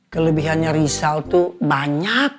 kelebihannya rizal tuh banyak